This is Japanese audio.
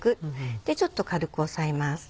でちょっと軽く押さえます。